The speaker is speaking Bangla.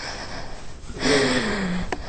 এগিয়ে যেতে থাকি।